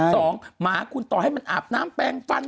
สองหมาคุณต่อให้มันอาบน้ำแปลงฟัน